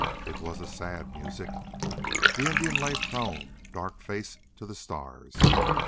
It was a sad music. The Indian lay prone, dark face to the stars.